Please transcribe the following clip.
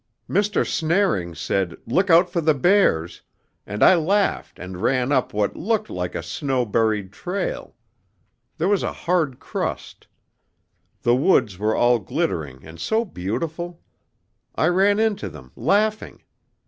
"Mr. Snaring said, 'Look out for the bears!' and I laughed and ran up what looked like a snow buried trail. There was a hard crust. The woods were all glittering and so beautiful. I ran into them, laughing.